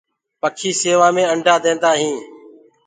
پکي سيوآ مي انڊآ ديندآ هينٚ۔